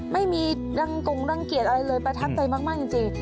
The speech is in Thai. ไม่มีรังกงรังเกียจอะไรเลยประทับใจมากจริง